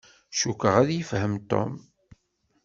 Cukkeɣ ad yefhem Tom.